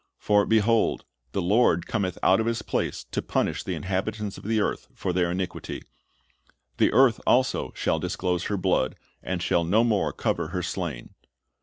For, behold, the Lord cometh out of His place to punish the inhabitants of the earth for their iniquity; the earth also shall disclose her blood, and shall no more cover her slain."'